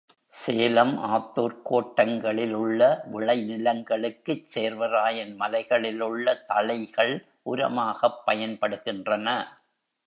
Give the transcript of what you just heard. சேலம், ஆத்தூர்க் கோட்டங்களில் உள்ள விளை நிலங்களுக்குச் சேர்வராயன் மலைகளில் உள்ள தழைகள் உரமாகப் பயன்படுகின்றன.